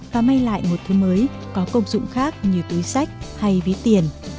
và may lại một thứ mới có công dụng khác như túi sách hay ví tiền